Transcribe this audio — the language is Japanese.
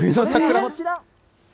こちら。